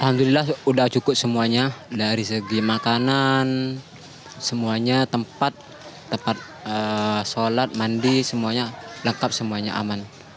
alhamdulillah sudah cukup semuanya dari segi makanan tempat sholat mandi lengkap semuanya aman